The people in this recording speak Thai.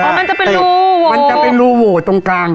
มันจะเป็นรูมันจะเป็นรูโหวตรงกลาง